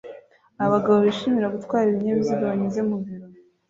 Abagabo bishimira gutwara ibinyabiziga banyuze mu biro